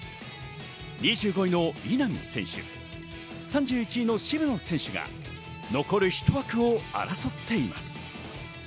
２５位の稲見選手、３１位の渋野選手が残るひと枠を争っています。